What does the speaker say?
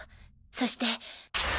そして。